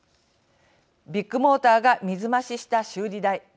ビッグモーターが水増しした修理代。